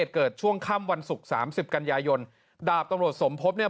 เกิดช่วงค่ำวันศุกร์สามสิบกันยายนดาบตำรวจสมพบเนี่ย